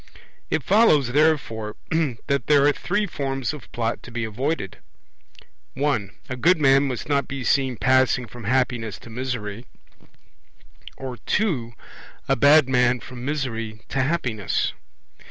It follows, therefore, that there are three forms of Plot to be avoided. (1) A good man must not be seen passing from happiness to misery, or (2) a bad man from misery to happiness.